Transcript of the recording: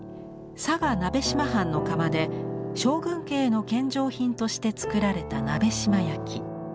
佐賀鍋島藩の窯で将軍家への献上品として作られた鍋島焼。